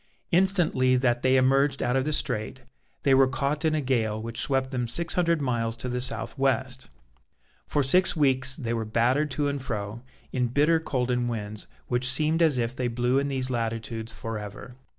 Instantly that they emerged out of the Strait, they were caught in a gale which swept them six hundred miles to the south west. For six weeks they were battered to and fro, in bitter cold and winds which seemed as if they blew in these latitudes for ever.